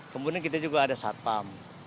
kemudian kita juga ada satpam